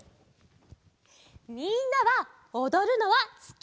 みんなはおどるのはすき？